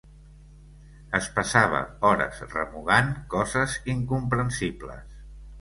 Es passava hores remugant coses incomprensibles.